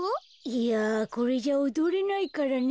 いやこれじゃおどれないからね。